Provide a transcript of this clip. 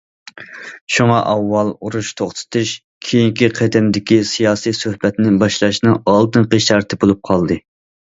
شۇڭا، ئاۋۋال ئۇرۇش توختىتىش كېيىنكى قېتىمدىكى سىياسىي سۆھبەتنى باشلاشنىڭ ئالدىنقى شەرتى بولۇپ قالدى.